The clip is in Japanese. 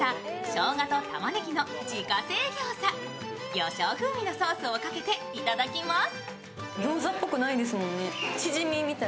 魚しょう風味のソースをかけていただきます